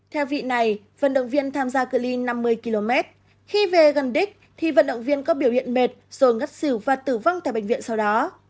theo vị này vận động viên tham gia cự li năm mươi km khi về gần đích thì vận động viên có biểu hiện mệt rồi ngất xỉu và tử vong tại bệnh viện sau đó